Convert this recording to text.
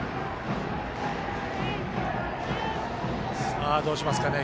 さあ、どうしますかね。